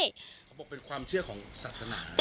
เขาบอกเป็นความเชื่อของศาสนา